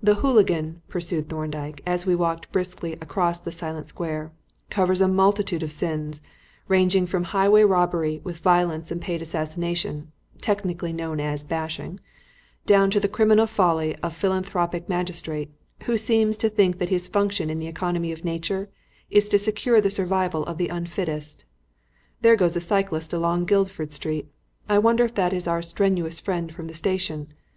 "The hooligan," pursued Thorndyke, as we walked briskly across the silent square, "covers a multitude of sins, ranging from highway robbery with violence and paid assassination (technically known as 'bashing') down to the criminal folly of the philanthropic magistrate, who seems to think that his function in the economy of nature is to secure the survival of the unfittest. There goes a cyclist along Guildford Street. I wonder if that is our strenuous friend from the station.